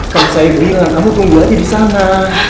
kan saya bilang kamu tunggu aja disana